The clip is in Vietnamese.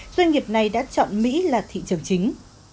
doanh nghiệp này đã chọn mỹ là thị trường chính